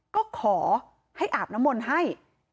ก็ขอให้อาบน้ำมนต์ให้